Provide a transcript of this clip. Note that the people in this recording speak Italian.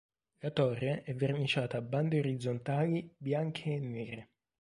La torre è verniciata a bande orizzontali bianche e nere.